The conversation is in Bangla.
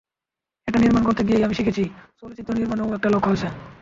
এটা নির্মাণ করতে গিয়েই আমি শিখেছি, চলচ্চিত্র নির্মাণেরও একটা লক্ষ্য আছে।